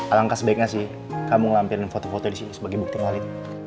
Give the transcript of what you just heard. alangkah sebaiknya sih kamu ngelampirin foto foto di sini sebagai bukti awal itu